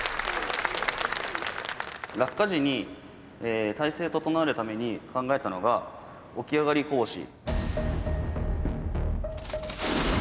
落下時に体勢整えるために考えたのが起き上がりこぼし。